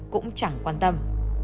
cũng chẳng quan tâm